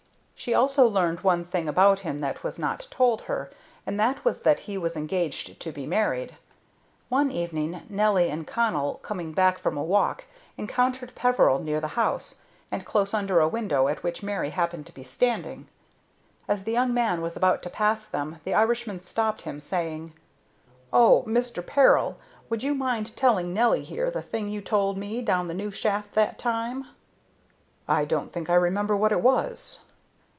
She also learned one thing about him that was not told her, and that was that he was engaged to be married. One evening Nelly and Connell, coming back from a walk, encountered Peveril near the house, and close under a window at which Mary happened to be standing. As the young man was about to pass them the Irishman stopped him, saying: "Oh, Mister Peril, would you mind telling Nelly here the thing you told me down the new shaft that time?" "I don't think I remember what it was."